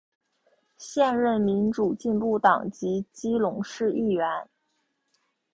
现任民主进步党籍基隆市议员。